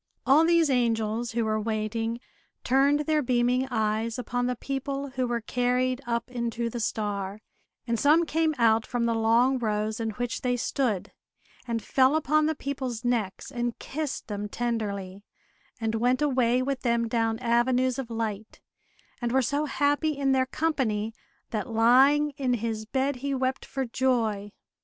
All these angels, who were waiting, turned their beaming eyes upon the people who were carried up into the star; and some came out from the long rows in which they stood, and fell upon the people's necks, and kissed them tenderly, and went away with them down avenues of light, and were so happy in their company, that lying in his bed he wept for joy.